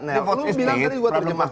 lo bilang tadi gue terjemahkan